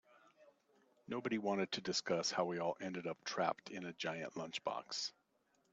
Nobody wanted to discuss how we all ended up trapped in a giant lunchbox.